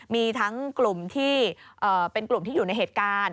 มีทั้งกลุ่มที่เป็นกลุ่มที่อยู่ในเหตุการณ์